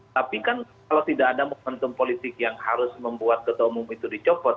tapi kan kalau tidak ada momentum politik yang harus membuat ketua umum itu dicopot